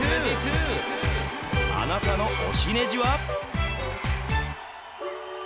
あなたの押しねじは？